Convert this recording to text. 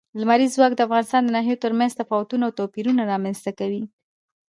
لمریز ځواک د افغانستان د ناحیو ترمنځ تفاوتونه او توپیرونه رامنځ ته کوي.